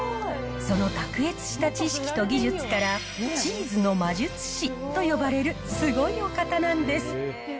その卓越した知識と技術から、チーズの魔術師と呼ばれる、すごいお方なんです。